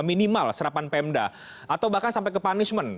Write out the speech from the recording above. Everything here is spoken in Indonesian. minimal serapan pemda atau bahkan sampai ke punishment